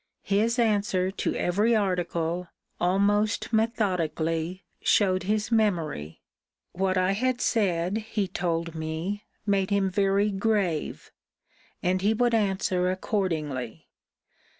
His answer to every article, almost methodically, shewed his memory. 'What I had said, he told me, made him very grave; and he would answer accordingly.